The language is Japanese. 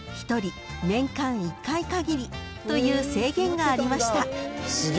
［という制限がありました］